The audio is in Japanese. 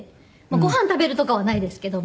ご飯食べるとかはないですけど。